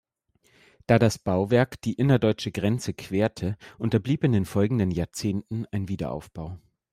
Da das Bauwerk die innerdeutsche Grenze querte, unterblieb in den folgenden Jahrzehnten ein Wiederaufbau.